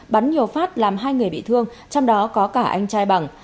bắn nhiều phát làm hai người bị thương trong đó có cả anh trai bằng